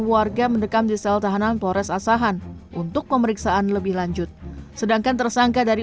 warga mendekam di sel tahanan polres asahan untuk pemeriksaan lebih lanjut sedangkan tersangka dari